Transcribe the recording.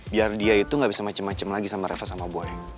biar dia itu gak bisa macem macem lagi sama reva sama boy